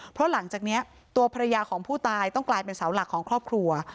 เพราะหลังจากนี้ตัวภรรยาของผู้ตายต้องกลายเป็นเสาหลักของครอบครัว